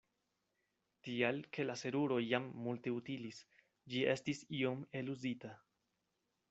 Tial ke la seruro jam multe utilis, ĝi estis iom eluzita.